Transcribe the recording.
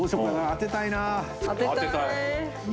当てたい。